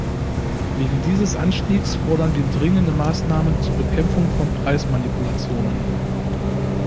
Wegen dieses Anstiegs fordern wir dringende Maßnahmen zur Bekämpfung von Preismanipulationen.